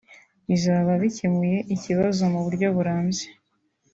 bizaba bikemuye ikibazo mu buryo burambye